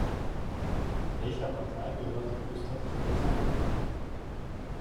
Welcher Partei gehörte Gustav Stresemann an?